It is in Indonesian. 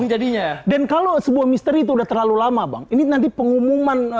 jadinya dan kalau sebuah misteri itu udah terlalu lama bang ini nanti pengumuman